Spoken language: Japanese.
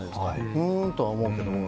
ふんとは思うけど。